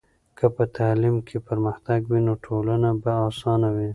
که په تعلیم کې پرمختګ وي، نو ټولنه به اسانه وي.